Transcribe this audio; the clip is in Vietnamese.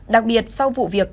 đặc biệt sau vụ việc